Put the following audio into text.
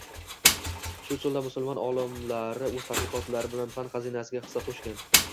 Shu usulda musulmon olimlari o‘z tadqiqotlari bilan fan xazinasiga hissa qo‘shgan